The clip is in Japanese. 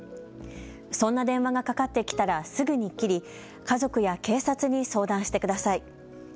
そんな電話がかかってきたらすぐに切り家族や警察に相談してください。